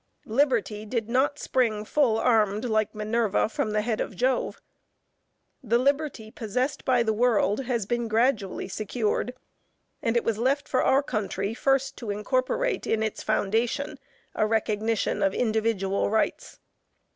Liberty did not spring "full armed" like Minerva from the head of Jove. The liberty possessed by the world has been gradually secured, and it was left for our country first to incorporate in its foundation a recognition of individual rights.